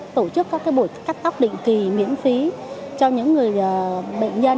tổ chức các buổi cắt tóc định kỳ miễn phí cho những người bệnh nhân